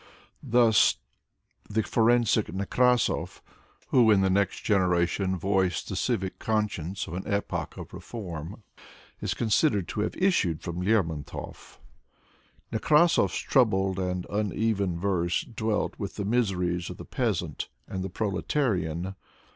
Thus the forensic Nekrasov, who in the next generation voiced the civic conscience of an epoch of re form, is considered to have issued from Lermontov. Nekrasov*s troubled and uneven verse dwelt with the miseries of the peasant and the proletarian.